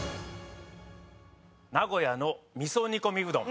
名古屋の味噌煮込みうどん。